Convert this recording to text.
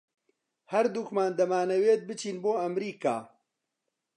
ھەردووکمان دەمانەوێت بچین بۆ ئەمریکا.